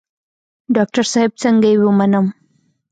ډاکتر صاحب څنګه يې ومنم.